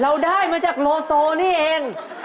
เราได้มาจากโลโซนี่เอง